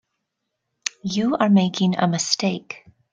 You are making a mistake.